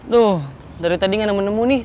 duh dari tadi nggak ada menemu nih